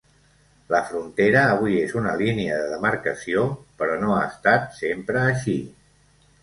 La frontera avui és una línia de demarcació, però no ha estat sempre així.